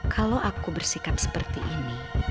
kalau aku bersihkan seperti ini